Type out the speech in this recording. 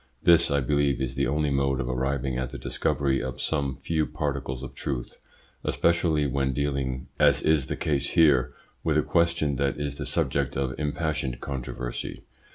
This, I believe, is the only mode of arriving at the discovery of some few particles of truth, especially when dealing, as is the case here, with a question that is the subject of impassioned controversy.